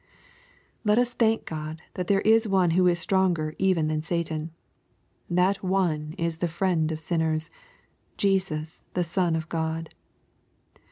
Let us thank God that there is One who is stronger even than Satan. That "One is the Friend of sinners, Jesus the Son of God.